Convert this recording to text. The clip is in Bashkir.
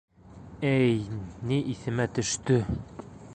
— Әй, ни, иҫемә төштө!